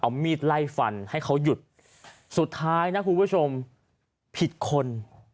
เอามีดไล่ฟันให้เขาหยุดสุดท้ายนะคุณผู้ชมผิดคน